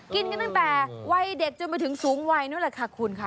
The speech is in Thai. กินกันตั้งแต่วัยเด็กจนไปถึงสูงวัยนั่นแหละค่ะคุณค่ะ